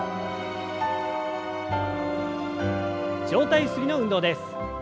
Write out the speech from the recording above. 上体ゆすりの運動です。